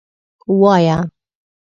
_وايه.